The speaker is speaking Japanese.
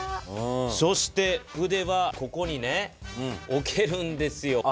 そして筆はここに置けるんですよ。